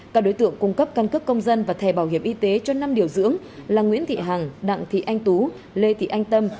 các đối tượng cung cấp căn cấp công dân và thẻ bảo hiểm y tế cho năm điều dưỡng là nguyễn thị hằng đặng thị anh tú lê thị anh tâm